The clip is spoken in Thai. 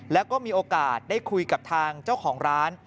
แล้วก็มีโอกาสได้คุยกับทางเจ้าของร้าน